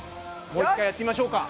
もう１回やってみましょうか。